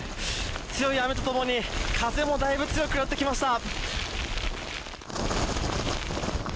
強い雨とともに風もだいぶ強くなってきました。